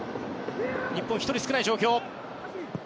日本は１人少ない状況。